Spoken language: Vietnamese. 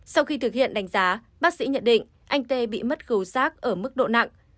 sau khi thực hiện đánh giá bác sĩ nhận định anh t bị mất khẩu sát ở mức độ nặng